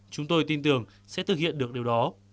chúng tôi tin tưởng sẽ thực hiện được điều đó